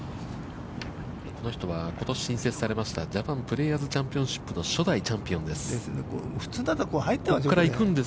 この人はことし新設されましたジャパンプレーヤーズチャンピオンシップの初代チャンピオンです。